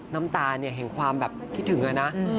น้ำตาเห็นความแบบคิดถึงแล้วนะ